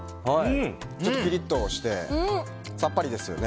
ちょっとピリッとしてさっぱりですよね。